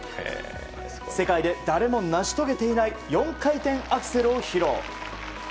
世界で誰も成し遂げていない４回転アクセルを披露。